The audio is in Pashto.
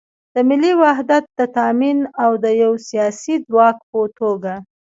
د ملي وحدت د تامین او د یو سیاسي ځواک په توګه